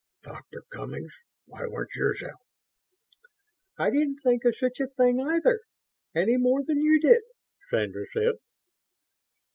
"Doctor Cummings, why weren't yours out?" "I didn't think of such a thing, either any more than you did," Sandra said.